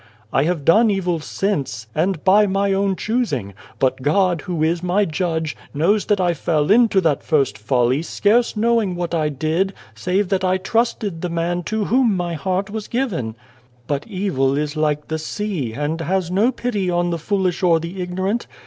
" I have done evil since, and by my own choosing, but God, Who is my Judge, knows that I fell into that first folly scarce knowing what I did, save that I trusted the man to whom my heart was given. 198 The Child, the Wise Man " But evil is like the sea, and has no pity on the foolish or the ignorant.